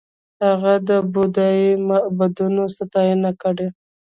هغه د بودايي معبدونو ستاینه کړې